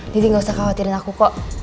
gak usah khawatirin aku kok